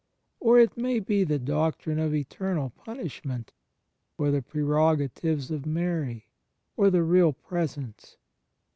Or it may be the doctrine of Eternal Punishment, or the prerogatives of Mary, or the Real Presence.